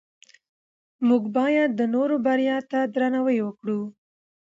موږ باید د نورو بریا ته درناوی وکړو